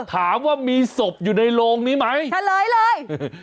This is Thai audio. ถามว่ามีศพอยู่ในโรงนี้ไหมเฉลยเลย